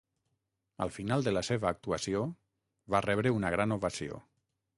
Al final de la seva actuació va rebre una gran ovació.